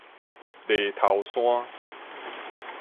犁頭山